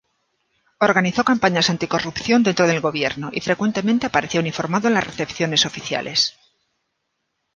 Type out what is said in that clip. Organizó campañas anti-corrupción dentro del gobierno y frecuentemente aparecía uniformado en las recepciones oficiales.